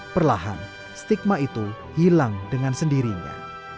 perlahan stigma itu hilang dengan sendirinya